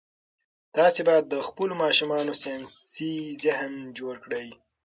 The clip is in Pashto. تاسي باید د خپلو ماشومانو ساینسي ذهن جوړ کړئ.